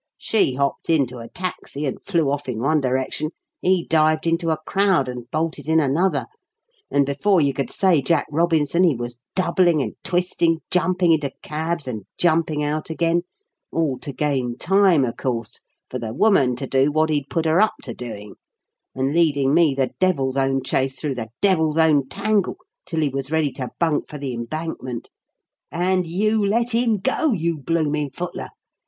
She hopped into a taxi and flew off in one direction; he dived into a crowd and bolted in another, and before you could say Jack Robinson he was doubling and twisting, jumping into cabs and jumping out again all to gain time, of course, for the woman to do what he'd put her up to doing and leading me the devil's own chase through the devil's own tangle till he was ready to bunk for the Embankment. And you let him go, you blooming footler!